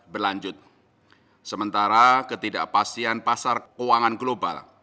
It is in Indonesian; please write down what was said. berlanjut sementara ketidakpastian pasar keuangan global